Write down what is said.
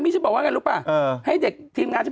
เดี๋ยวพี่หนุ่ม